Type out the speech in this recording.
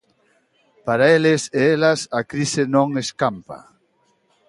Para eles e elas a crise non escampa.